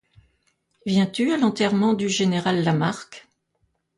Viens-tu à l'enterrement du général Lamarque?